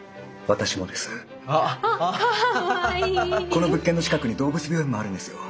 この物件の近くに動物病院もあるんですよ。